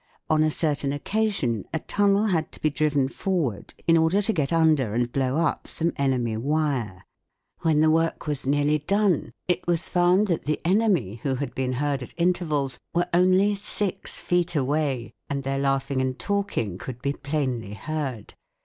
On a certain occasion a tunnel had to be driven forward in order to get under and blow up some enemy wire. When the work was nearly done, it was found that the enemy, who had been heard at intervals, were only six feet away, and their laughing and talking could be plainly heard.